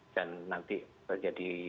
dan nanti terjadi